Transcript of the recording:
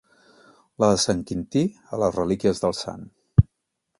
La de Sant Quintí, a les relíquies del sant.